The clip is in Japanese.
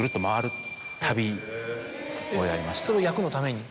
それは役のために？